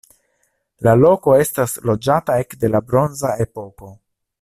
La loko estas loĝata ekde la bronza epoko.